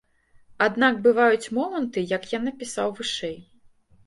Аднак бываюць моманты, як я напісаў вышэй.